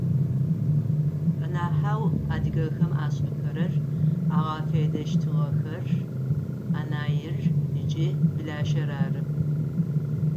Анахьэу адыгэхэм ашӏэхэрэр, агъэфедэщтыгъэхэр анаир ыкӏи блащэр ары.